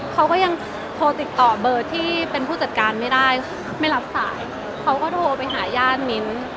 เขาก็ยังโทรติดต่อเบอร์ที่เป็นผู้จัดการไม่ได้ไม่รับสายเขาก็โทรไปหาญาติมิ้น